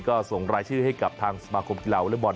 ก็ส่งรายชื่อให้กับทางสมาคมกีฬาวอเล็กบอล